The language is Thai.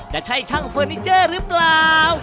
จะใช่ช่างเฟอร์นิเจอร์หรือเปล่า